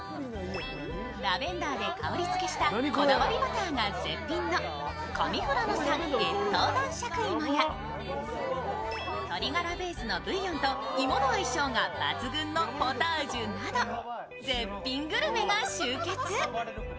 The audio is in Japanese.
ラベンダーで香りづけしたこだわりバターが絶品の上富良野産越冬男爵芋や鶏ガラベースのブイヨンといもの相性が抜群のポタージュなど絶品グルメが集結。